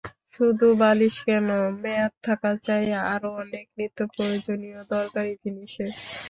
শুধু বালিশ কেন, মেয়াদ থাকা চাই আরও অনেক নিত্যপ্রয়োজনীয় দরকারি জিনিসের।